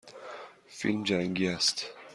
فیلم جنگی است.